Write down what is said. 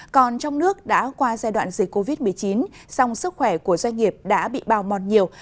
còn trong nước đã qua giai đoạn dịch covid một mươi chín song sức khỏe của doanh nghiệp đã bị bào mòn nhiều